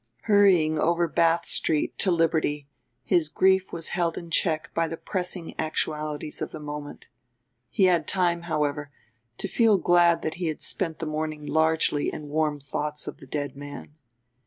Hurrying over Bath Street to Liberty his grief was held in check by the pressing actualities of the moment. He had time, however, to feel glad that he had spent the morning largely in warm thoughts of the dead man.